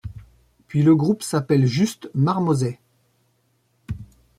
Puis le groupe s'appelle juste Marmozets.